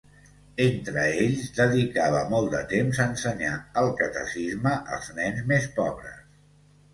Entre ells, dedicava molt de temps a ensenyar el catecisme als nens més pobres.